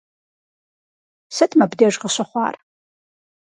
Сыт мыбдеж къыщыхъуар?